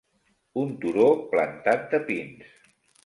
Un turó plantat de pins.